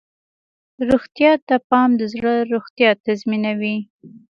روغتیا ته پام د زړه روغتیا تضمینوي.